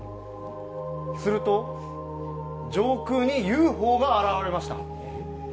すると、上空にＵＦＯが現れました。